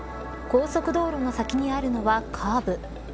高速道路の先にあるのはカーブ。